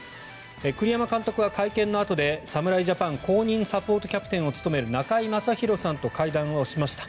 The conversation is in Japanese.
栗山監督は会見のあとで侍ジャパン公認サポートキャプテンを務める中居正広さんと会談をしました。